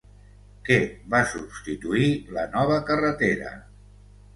Què va substituir la nova carretera?